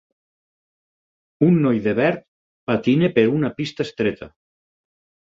Un noi de verd patina per una pista estreta.